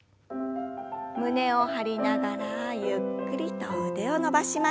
胸を張りながらゆっくりと腕を伸ばしましょう。